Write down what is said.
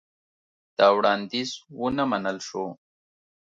دا وړاندیز ونه منل شو.